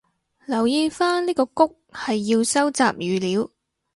留意返呢個谷係要收集語料